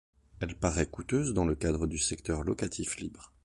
Elle paraît coûteuse dans le cadre du secteur locatif libre.